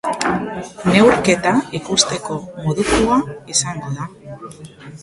Neurketa ikusteko modukoa izango da.